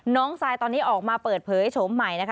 ทรายตอนนี้ออกมาเปิดเผยโฉมใหม่นะคะ